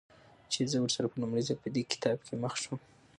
چې زه ورسره په لومړي ځل په دې کتاب کې مخ شوم.